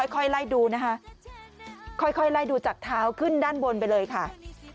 ค่อยไล่ดูนะคะค่อยไล่ดูจากเท้าขึ้นด้านบนไปเลยค่ะ